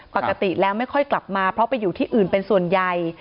ปกติแล้วไม่ค่อยกลับมาเพราะไปอยู่ที่อื่นเป็นส่วนใหญ่